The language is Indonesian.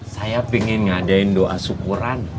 saya pingin ngadain doa syukuran